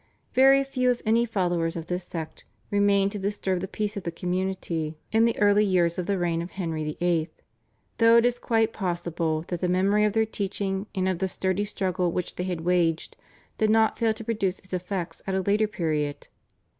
Very few if any followers of this sect remained to disturb the peace of the community in the early years of the reign of Henry VIII., though it is quite possible that the memory of their teaching and of the sturdy struggle which they had waged did not fail to produce its effects at a later period.